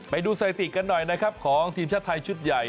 ไปดูสถิติกันหน่อยนะครับของทีมชาติไทยชุดใหญ่